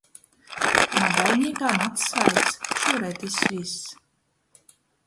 Madaunīkā mads svaigs, šūreit izsvīsts.